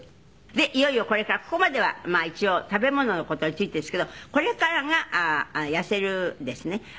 でいよいよこれからここまでは一応食べ物の事についてですけどこれからが痩せるですね浅香さんの考えた。